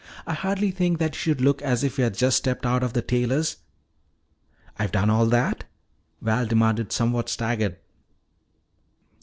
I hardly think that you should look as if you had just stepped out of the tailor's " "I've done all that?" Val demanded, somewhat staggered.